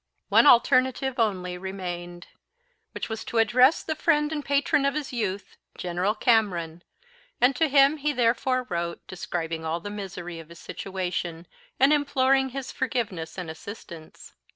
One alternative only remained, which was to address the friend and patron of his youth, General Cameron; and to him he therefore wrote, describing all the misery of his situation, and imploring his forgiveness and assistance.